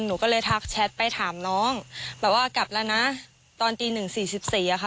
หนูก็เลยทักแชทไปถามน้องแบบว่ากลับแล้วนะตอนตีหนึ่งสี่สิบสี่อะค่ะ